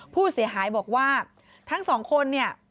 ผู้เสียหายบอกว่าทั้งสองคนเนี่ย